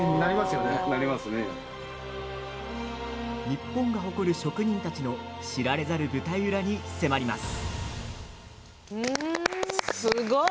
日本が誇る職人たちの知られざる舞台裏に迫ります。